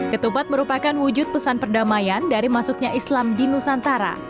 ketupat merupakan wujud pesan perdamaian dari masuknya islam di nusantara